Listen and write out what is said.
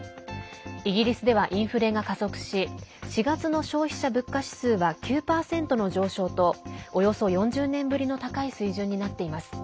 イギリスではインフレが加速し４月の消費者物価指数は９％の上昇とおよそ４０年ぶりの高い水準になっています。